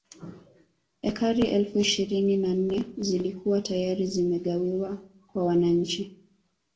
Ekari elfu ishirini na nne zilikuwa tayari zimegawiwa kwa wananchi